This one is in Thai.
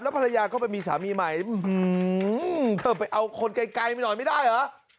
ภรรยาก็ไปมีสามีใหม่เธอไปเอาคนไกลไปหน่อยไม่ได้เหรอ